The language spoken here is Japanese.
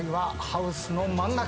ハウスの中。